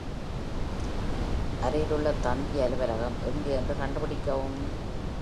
அருகிலுள்ள தந்தி அலுவலகம் எங்கே என்று கண்டுபிடிக்கவும்.